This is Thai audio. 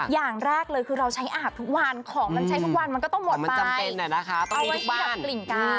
อย่างแรกเลยคือเราใช้อาบทุกวันของมันใช้ทุกวันมันก็ต้องหมดไป